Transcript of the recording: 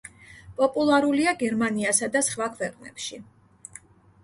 პოპულარულია გერმანიასა და სხვა ქვეყნებში.